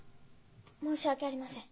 申し訳ありません。